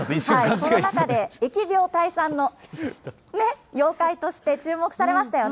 コロナ禍で疫病退散の妖怪として注目されましたよね。